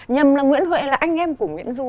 nhầm là nguyễn huệ là anh em của nguyễn du